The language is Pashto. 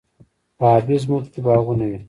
په ابی ځمکو کې باغونه وي.